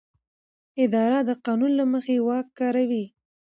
اداره د قانون له مخې واک کاروي.